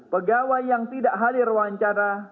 pegawai yang tidak hadir wawancara